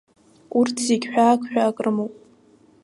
Урҭ зегьы ҳәаак-ҳәаак рымоуп.